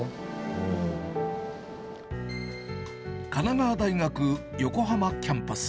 神奈川大学横浜キャンパス。